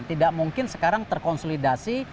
tidak mungkin sekarang terkonsolidasi